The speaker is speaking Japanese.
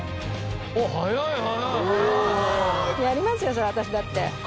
そりゃ私だって。